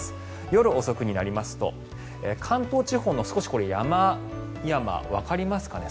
夜遅くになりますと関東地方の山々わかりますかね。